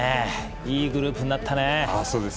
いいグループになったね。